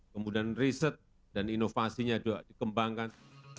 kemudian riset dan inovasinya juga dikembangkan